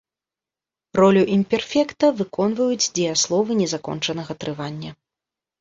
Ролю імперфекта выконваюць дзеясловы незакончанага трывання.